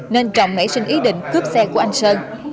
nên trọng hãy xin ý định cướp xe của anh sơn